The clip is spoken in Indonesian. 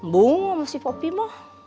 bunga sama si popi mah